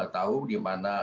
tahu di mana